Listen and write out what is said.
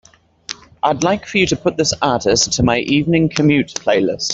I'd like for you to put this artist to my Evening Commute playlist.